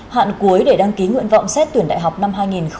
hạn cuối để đăng ký nguyện vọng xét tuyển đại học năm hai nghìn hai mươi